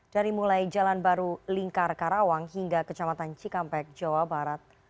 dari mulai jalan baru lingkar karawang hingga kecamatan cikampek jawa barat